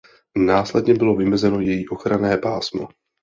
Následně bylo vymezeno její ochranné pásmo.